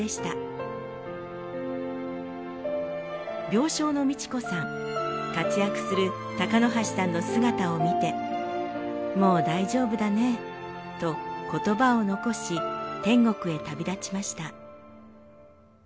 病床の美知子さん活躍する鷹箸さんの姿を見て「もう大丈夫だね」と言葉を残し天国へ旅立ちました。